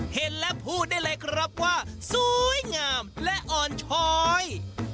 เห็นและพูดได้เลยครับว่าสวยงามและอ่อนช้อย